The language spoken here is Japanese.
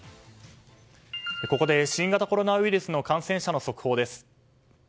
ここで新型コロナウイルスの感染者の速報です。